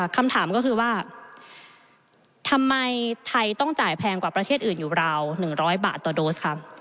คำถามก็คือว่าทำไมไทยต้องจ่ายแพงกว่าประเทศอื่นอยู่ราว๑๐๐บาทต่อโดสค่ะ